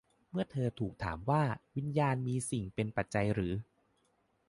เมื่อเธอถูกถามว่า วิญญาณมีสิ่งเป็นปัจจัยหรือ